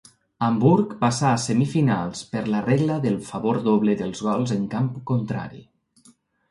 Hamburg passà a Semifinals per la regla del valor doble dels gols en camp contrari.